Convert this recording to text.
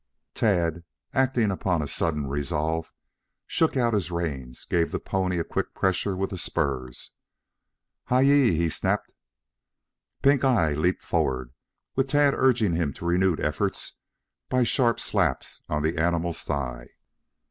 Tad, acting upon a sudden resolve, shook out his reins, gave the pony a quick pressure with the spurs. "Hi yi!" he snapped. Pink eye leaped forward, with Tad urging him to renewed efforts by sharp slaps on the animal's thigh.